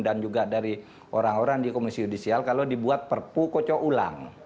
dan juga dari orang orang di komisi judisial kalau dibuat perpu kocok ulang